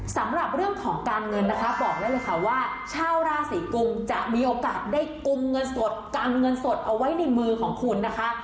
สำหรับเรื่องของการเงินนะคะบอกได้เลยค่ะว่าชาวราศีกุมจะมีโอกาสได้กุมเงินสดกันเงินสดเอาไว้ในมือของคุณนะคะ